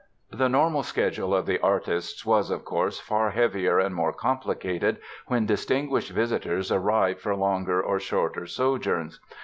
The normal schedule of the artists was, of course, far heavier and more complicated, when distinguished visitors arrived for longer or shorter sojourns.